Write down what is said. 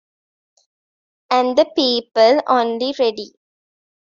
And the people only ready!